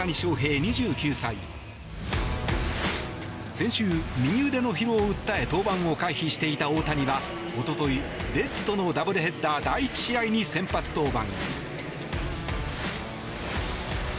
先週、右腕の疲労を訴え登板を回避していた大谷はおととい、レッズとのダブルヘッダー第１試合に先発登板。